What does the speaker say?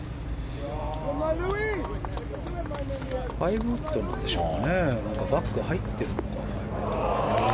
５ウッドなんでしょうか。